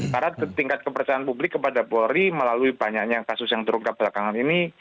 karena tingkat kepercayaan publik kepada polri melalui banyaknya kasus yang terungkap belakangan ini